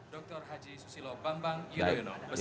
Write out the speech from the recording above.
dr haji susilo bambang yudhoyono peserta ibu